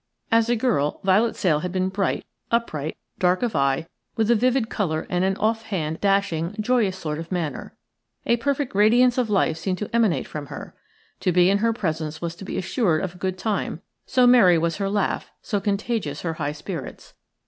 As a girl Violet Sale had been bright, upright, dark of eye, with a vivid colour and an offhand, dashing, joyous sort of manner. A perfect radiance of life seemed to emanate from her. To be in her presence was to be assured of a good time, so merry was her laugh, so contagious her high spirits.